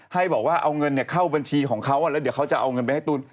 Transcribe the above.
ให้บอกว่าเอาเงินเข้าบัญชีของเขาแล้วเดี๋ยวเขาจะเอาเงินไปให้ตุ้น